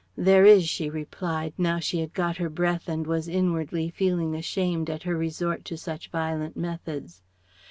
"There is," she replied, now she had got her breath and was inwardly feeling ashamed at her resort to such violent methods.